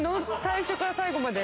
最初から最後まで。